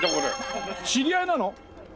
知り合いなの？